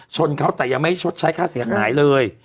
ชนเขาแต่ยังไม่ชดใช้ค่าเสียหายเลย